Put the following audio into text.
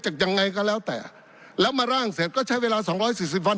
ยังไงก็แล้วแต่แล้วมาร่างเสร็จก็ใช้เวลาสองร้อยสี่สิบวัน